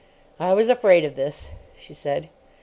"I was afraid of this," she said.